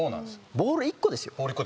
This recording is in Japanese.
ボール１個ですよ？